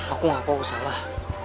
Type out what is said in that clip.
aku gak tau aku salah